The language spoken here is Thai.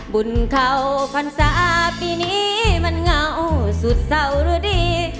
บุญเขาฟันสาปีนี้มันเหงาสุดเสารุดี